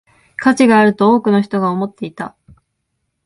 価値があると多くの人が思っていた